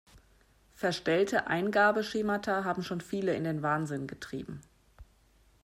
Verstellte Eingabeschemata haben schon viele in den Wahnsinn getrieben.